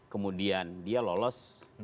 kemudian dia lolos